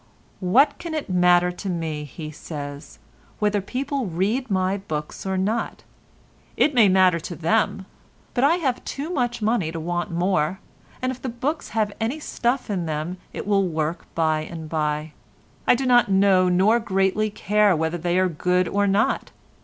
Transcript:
"What can it matter to me," he says, "whether people read my books or not? It may matter to them—but I have too much money to want more, and if the books have any stuff in them it will work by and by. I do not know nor greatly care whether they are good or not.